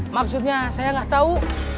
maksudnya saya nggak tahu